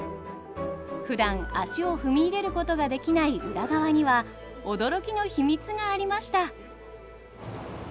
ふだん足を踏み入れることができない裏側には驚きの秘密がありました。